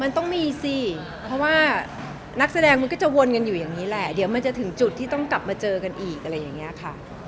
มันต้องมีบางนักแสดงก็จะวนอยู่อย่างนี้จะถึงจุดที่ต้องกลับมาเจอกันอีก